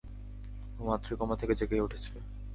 ও মাত্রই কোমা থেকে জেগে উঠেছে!